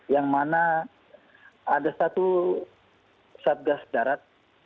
yang mana ada satu satgas darat